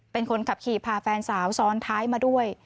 เป็นคนขับขี่พาแฟนสาวซ้อนท้ายมาด้วย